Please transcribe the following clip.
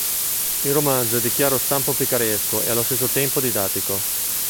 Il romanzo è di chiaro stampo picaresco e allo stesso tempo didattico.